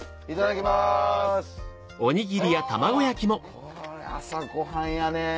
これ朝ごはんやね！